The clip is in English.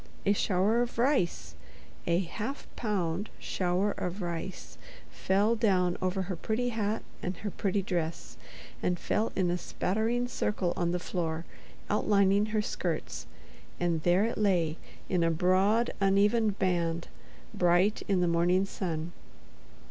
A shower of rice—a half pound shower of rice—fell down over her pretty hat and her pretty dress, and fell in a spattering circle on the floor, outlining her skirts—and there it lay in a broad, uneven band, bright in the morning sun.